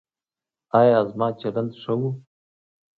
ایا زما چلند ښه و؟